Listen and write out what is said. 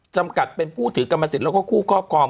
จำกัดเป็นผู้ถือกรรมสิทธิ์แล้วก็คู่ครอบครอง